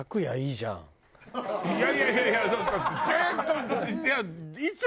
いやいやいやいやずっと。